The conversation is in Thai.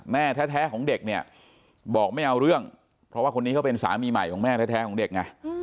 แม่แท้ของเด็กเนี่ยบอกไม่เอาเรื่องเพราะว่าคนนี้เขาเป็นสามีใหม่ของแม่แท้ของเด็กไง